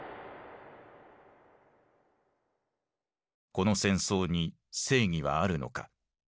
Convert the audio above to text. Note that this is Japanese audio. この戦争に正義はあるのか。